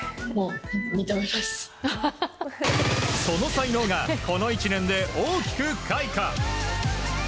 その才能がこの１年で大きく開花。